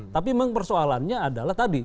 tapi memang persoalannya adalah tadi